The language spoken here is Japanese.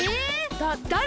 だっだれだ！？